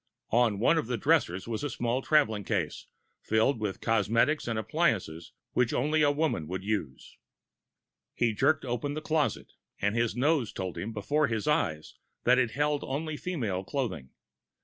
On one of the dressers was a small traveling case, filled with the cosmetics and appliances which only a woman would use. He jerked open the closet, and his nose told him before his eyes that it held only female clothing!